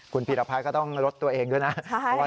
คุณพีรพัฒน์ก็ต้องลดตัวเองด้วยนะ